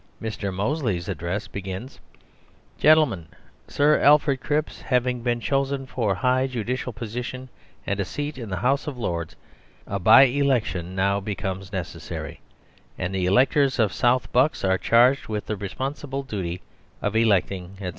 Mr. Mosley's address begins, "Gentlemen, Sir Alfred Cripps having been chosen for a high judicial position and a seat in the House of Lords, a by election now becomes necessary, and the electors of South Bucks are charged with the responsible duty of electing, etc.